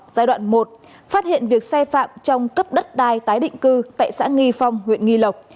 giai đoạn một phát hiện việc sai phạm trong cấp đất đai tái định cư tại xã nghi phong huyện nghi lộc